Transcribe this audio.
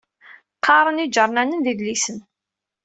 Qerran ijernanen d idlisen.